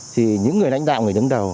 thì những người lãnh đạo người đứng đầu